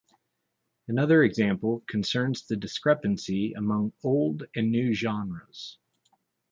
Another example concerns the discrepancy among "old" and "new" genres.